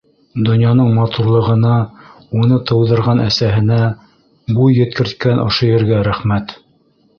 Донъяның матурлығына, уны тыуҙырған әсәһенә, буй еткерткән ошо ергә рәхмәт!